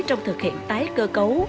trong thực hiện tái cơ cấu